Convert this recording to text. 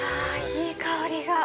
いい香りが。